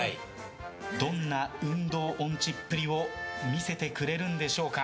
どんな運動音痴っぷりを見せてくれるんでしょうか。